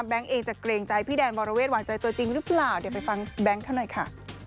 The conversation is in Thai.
เองจะเกรงใจพี่แดนวรเวทหวานใจตัวจริงหรือเปล่าเดี๋ยวไปฟังแบงค์เขาหน่อยค่ะ